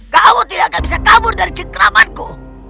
kau tidak akan bisa kabur dari cikramanku